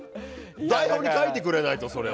台本に書いてくれないと、それ。